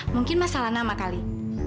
mungkin mas salah nama kali